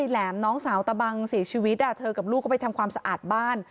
แหลมน้องสาวตะบังเสียชีวิตเธอกับลูกก็ไปทำความสะอาดบ้าน